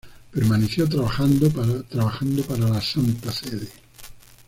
Permaneció trabajando para la Santa Sede.